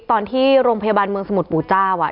ตอนที่โรงพยาบาลเมืองสมุทรปู่เจ้า